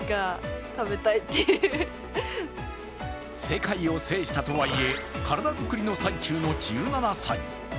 世界を制したとはいえ、体作りの最中の１７歳。